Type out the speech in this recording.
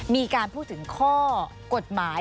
มีการพูดถึงข้อกฎหมาย